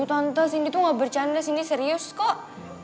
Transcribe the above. tante sindi tuh gak bercanda sindi serius kok